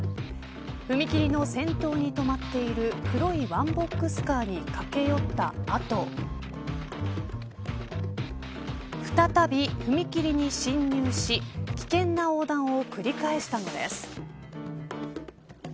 踏切の先頭に止まっている黒いワンボックスカーに駆け寄った後再び踏切に侵入し危険な横断を繰り返したのです。